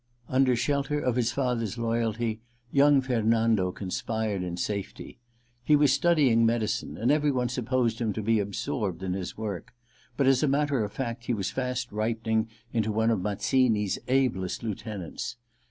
Under shelter of his father's loyalty young Fernando conspired in safety. He was study ing medicine, and every one supposed him to be absorbed in his work ; but as a matter of fact he was fast ripening into one of Mazzini's ablest lieutenants.